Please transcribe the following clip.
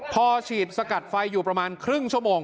พอฉีดสกัดไฟอยู่ประมาณครึ่งชั่วโมง